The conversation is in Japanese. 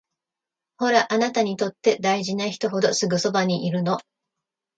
ほら、あなたにとって大事な人ほどすぐそばにいるの